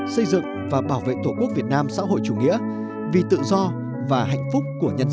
xây dựng và bảo vệ tổ quốc việt nam xã hội chủ nghĩa vì tự do và hạnh phúc của nhân dân